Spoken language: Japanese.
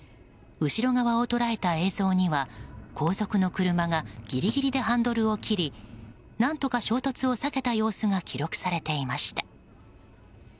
後ろ側を捉えた映像には後続の車がギリギリでハンドルを切り何とか衝突を避けた様子が記録されていました。